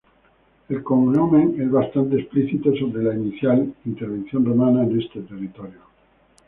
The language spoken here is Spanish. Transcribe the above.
El cognomen es bastante explícito sobre la inicial intervención romana en este territorio.